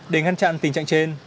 để ngăn chặn tình trạng trên